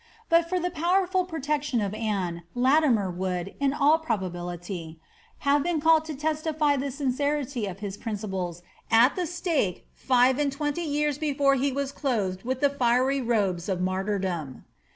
But for the powerful protection of Anne, Latimer wonld, in all probability, hare been called to testify the sincerity of his princi ples at the stake five and twenty years before he was clothed with the fiery robes of martyrdom.